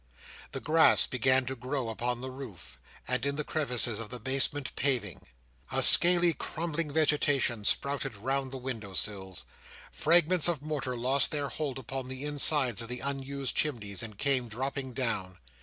The grass began to grow upon the roof, and in the crevices of the basement paving. A scaly crumbling vegetation sprouted round the window sills. Fragments of mortar lost their hold upon the insides of the unused chimneys, and came dropping down.